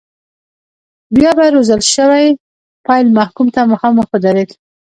بیا به روزل شوی پیل محکوم ته مخامخ ودرېد.